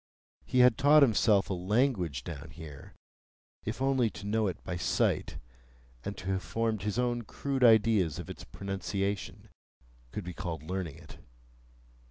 He had taught himself a language down here,—if only to know it by sight, and to have formed his own crude ideas of its pronunciation, could be called learning it.